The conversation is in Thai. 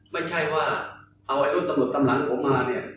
ไม่ใช่ว่าเอารถตำรวจตามหลังผมมาเนี่ย